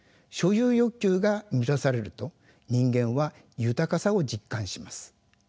所有欲求が満たされると人間は豊かさを実感します。